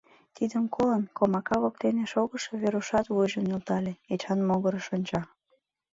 Тидым колын, комака воктене шогышо Верушат вуйжым нӧлтале, Эчан могырыш онча.